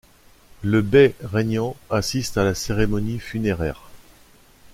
Le bey régnant assiste à la cérémonie funéraire.